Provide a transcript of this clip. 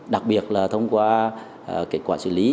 đặc biệt là thông qua kết quả xử lý